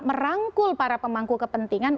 merangkul para pemangku kepentingan